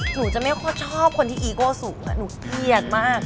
หนูจะไม่ค่อยชอบคนที่อีโก้สูงหนูเครียดมาก